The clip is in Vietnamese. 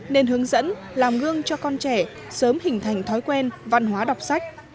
nên hướng dẫn làm gương cho con trẻ sớm hình thành thói quen văn hóa đọc sách